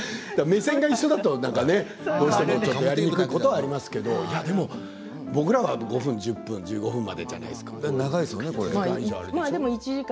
目線が一緒だとやりにくいこともありますけれど僕らは５分、１０分、１５分じゃないですか。